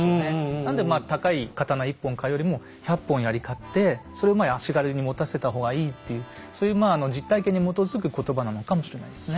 なので高い刀一本買うよりも百本ヤリ買ってそれを足軽に持たせた方がいいっていうそういう実体験に基づくことばなのかもしれないですね。